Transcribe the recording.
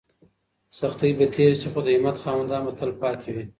سختۍ به تېرې شي خو د همت خاوندان به تل پاتې وي.